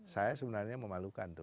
saya sebenarnya memalukan tuh